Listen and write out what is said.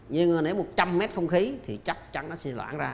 nhưng mà nếu một trăm linh m không khí thì chắc chắn nó sẽ loãng ra